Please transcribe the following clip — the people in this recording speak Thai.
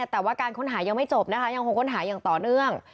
แต่ว่าการค้นหายังไม่จบนะคะยังคงค้นหาอย่างต่อเนื่อง